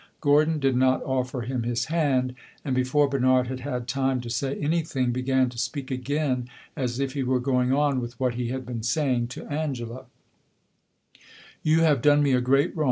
Gordon did not offer him his hand, and before Bernard had had time to say anything, began to speak again, as if he were going on with what he had been saying to Angela.